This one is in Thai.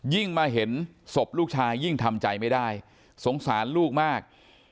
มาเห็นศพลูกชายยิ่งทำใจไม่ได้สงสารลูกมาก